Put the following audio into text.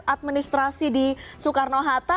administrasi di soekarno hatta